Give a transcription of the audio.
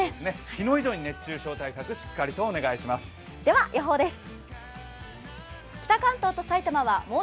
昨日以上に熱中症対策、しっかりとお願いします。